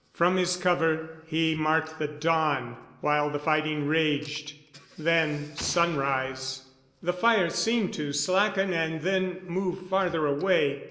From his cover he marked the dawn while the fighting raged—then sunrise. The fire seemed to slacken and then move farther away.